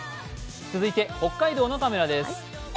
続いて北海道のカメラです。